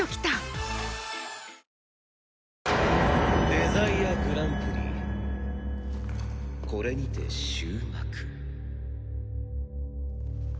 デザイアグランプリこれにて終幕。